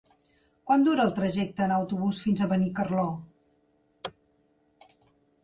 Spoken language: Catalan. Quant dura el trajecte en autobús fins a Benicarló?